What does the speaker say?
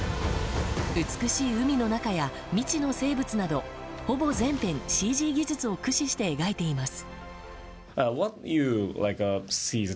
美しい海の中や未知の生物などほぼ全編ＣＧ技術を駆使して描いています。